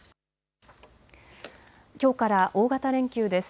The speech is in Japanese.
きょうから大型連休です。